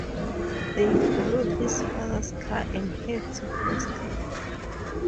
They borrow his father's car and head to Feck's.